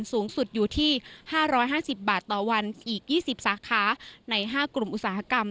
สูงสุดอยู่ที่๕๕๐บาทต่อวันอีก๒๐สาขาใน๕กลุ่มอุตสาหกรรม